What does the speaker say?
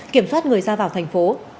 kiểm soát người ra vào thành phố